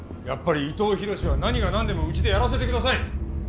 やっぱり伊藤宏は何が何でもうちでやらせて下さい。